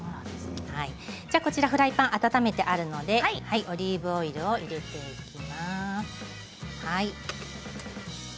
フライパンを温めてあるのでオリーブオイルを入れていきます。